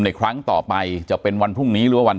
มีการต่อแถวและแจกหมดไปเป็นที่เรียบร้อย